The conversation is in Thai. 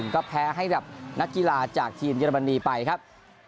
ก็แพ้ให้กับนักกีฬาจากทีมเยอรมนีไปครับ